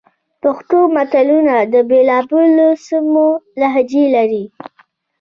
پښتو متلونه د بېلابېلو سیمو لهجې لري